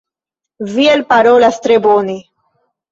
Vi elparolas tre bone.